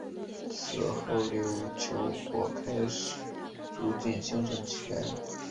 此后琉球国开始逐渐兴盛起来。